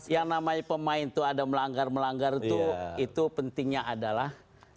yang namanya pemain tuh ada melanggar melanggar itu itu pentingnya adalah